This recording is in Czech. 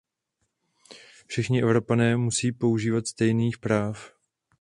Všichni Evropané musí požívat stejných práv.